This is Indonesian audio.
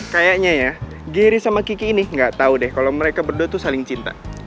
kayaknya ya gery sama kiki ini gak tau deh kalo mereka berdua tuh saling cinta